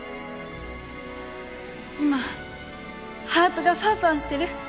今ハートがファンファンしてる？